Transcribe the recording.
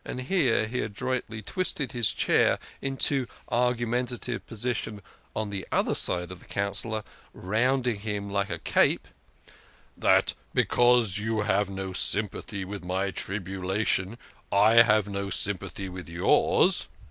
117 here he adroitly twisted his chair into argumentative posi tion on the other side of the Councillor, rounding him like a cape " that, because you have no sympathy with my tribulation, I have no sympathy with yours.